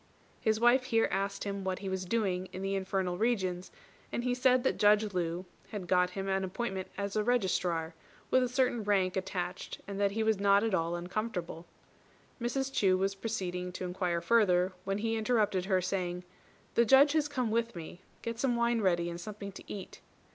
His wife here asked him what he was doing in the infernal regions; and he said that Judge Lu had got him an appointment as Registrar, with a certain rank attached, and that he was not at all uncomfortable. Mrs. Chu was proceeding to inquire further, when he interrupted her, saying, "The Judge has come with me; get some wine ready and something to eat."